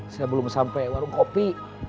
saya belum sampai warung kopi